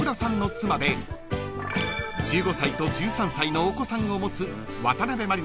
［１５歳と１３歳のお子さんを持つ］